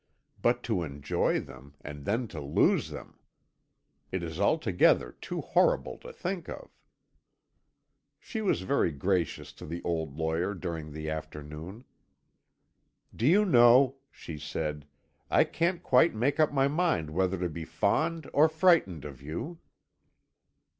But to enjoy them, and then to lose them! It is altogether too horrible to think of." She was very gracious to the old lawyer during the afternoon. "Do you know," she said, "I can't quite make up my mind whether to be fond or frightened of you."